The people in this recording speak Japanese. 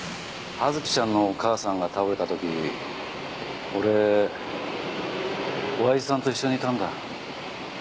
葉月ちゃんのお母さんが倒れた時俺親父さんと一緒にいたんだ。